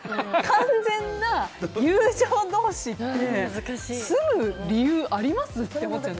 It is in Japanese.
完全な友情同士って住む理由あります？って思っちゃう。